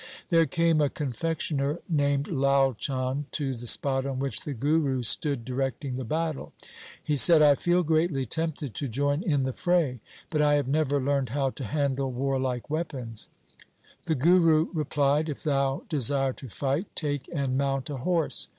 There came a confectioner named Lai Chand to the spot on which the Guru stood directing the battle. He said, ' I feel greatly tempted to join in the fray, but I have never learned how to handle warlike weapons.' The Guru replied, ' If thou desire to fight, take and mount a horse.'